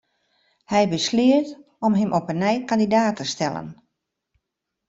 Hy besleat om him op 'e nij kandidaat te stellen.